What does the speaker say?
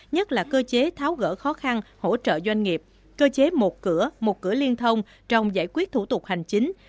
nhất là cơ chế tháo gỡ khó khăn hỗ trợ doanh nghiệp cơ chế một cửa một cửa liên thông trong giải quyết thủ tục hành chính